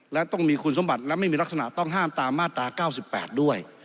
และต้องมีคุณสมบัติและไม่มีลักษณะต้องห้ามตามมาตรา๙๘ด้วย